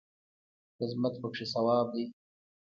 خدمت پکې ثواب دی